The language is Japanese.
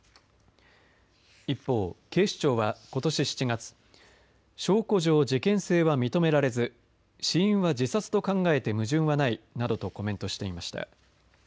一方、警視庁はことし７月証拠上事件性は認められず死因は自殺と考えて矛盾はないなどとコメントしていました。